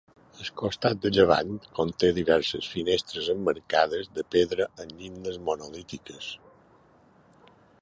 El costat de llevant conté diverses finestres emmarcades de pedra amb llindes monolítiques.